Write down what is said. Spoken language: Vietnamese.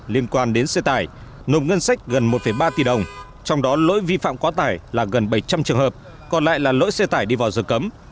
liên quan đến xe tải nộp ngân sách gần một ba tỷ đồng trong đó lỗi vi phạm quá tải là gần bảy trăm linh trường hợp còn lại là lỗi xe tải đi vào giờ cấm